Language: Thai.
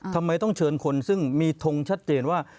ทำไมต้องเชิญคนซึ่งมีทงชัดเจนว่า